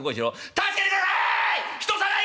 助けてください！